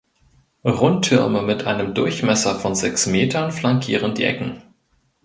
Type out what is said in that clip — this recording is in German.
Rundtürme mit einem Durchmesser von sechs Metern flankieren die Ecken.